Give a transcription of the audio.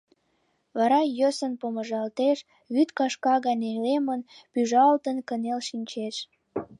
Вара йӧсын помыжалтеш, вӱд кашка гай нелемын, пӱжалтын кынел шинчеш.